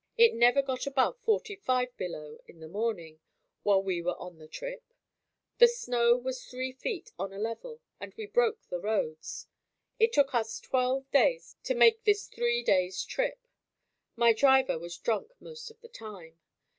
It never got above forty five below in the morning, while we were on the trip. The snow was three feet on a level and we broke the roads. It took us twelve days to make this three day's trip. My driver was drunk most of the time.